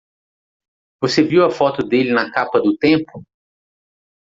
Você viu a foto dele na capa do Tempo?